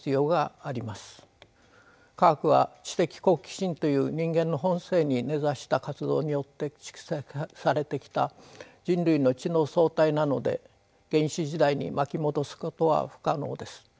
科学は知的好奇心という人間の本性に根ざした活動によって蓄積されてきた人類の知の総体なので原始時代に巻き戻すことは不可能です。